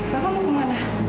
bapak mau kemana